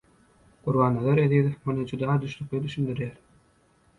Gurbannazar Ezizow muny juda düşnükli düşündirýär